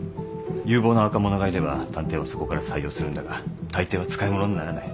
有望な若者がいれば探偵はそこから採用するんだがたいていは使い物にならない。